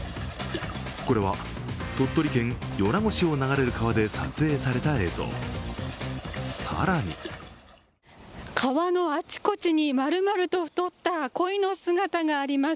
これは鳥取県米子市を流れる川で撮影された映像、更に川のあちこちに、丸々と太ったコイの姿があります。